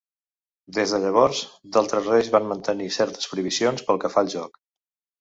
Des de llavors d'altres reis varen mantenir certes prohibicions pel que fa al joc.